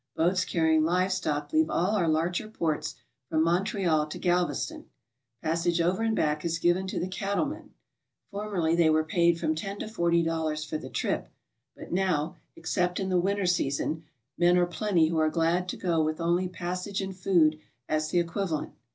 Boats carrying kve stock leave all our larger ports from Montreal to Galveston. Passage over and back is given to the cattle m'en. Formerly they were paid from $10 to $40 for the trip, but now, except in the winter season, men are plenty who are glad to go with only passage and food as the equivalent.